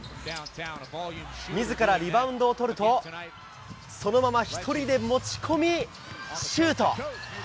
みずからリバウンドを取ると、そのまま１人で持ち込みシュート。